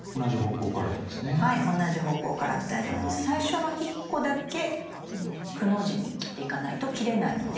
最初の１個だけ「く」の字に切っていかないと切れないので。